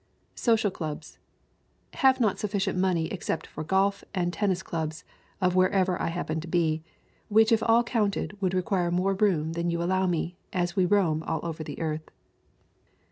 Social clubs: Have not sufficient money except for golf and tennis clubs of wherever I happen to be, which if all counted will require more room than you allow me, as we roam all over the earth.